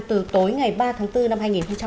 từ tối ngày ba tháng bốn năm hai nghìn một mươi sáu